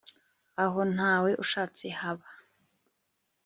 aho ntawe ushatse, haba